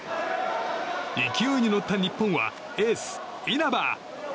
勢いに乗った日本はエース、稲場！